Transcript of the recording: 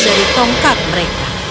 dari tongkat mereka